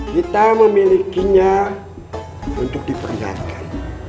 kita memilikinya untuk diperlihatkan